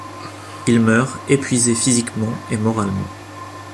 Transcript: Il meurt, épuisé physiquement et moralement.